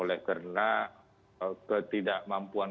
oleh karena ketidakmampuan